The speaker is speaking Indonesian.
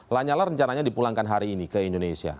lanyala rencananya dipulangkan hari ini ke indonesia